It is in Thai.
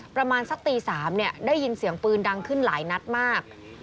ประมาณสักตี๓ได้ยินเสียงปืนดังขึ้นหลายนัดมาก